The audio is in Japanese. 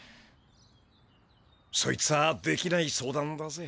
そいつはできない相談だぜ。